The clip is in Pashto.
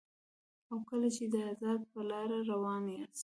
او کله چي د ازادۍ په لاره روان یاست